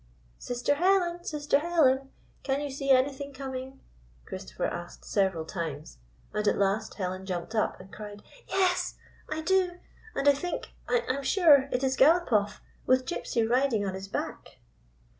" Sister Helen, Sister Helen ! Can you see anything coming ?" Christopher asked several times, and at last Helen jumped up and cried: " Yes! I do. And I think — I am sure it is Galopoff, with Gypsy riding on his back!"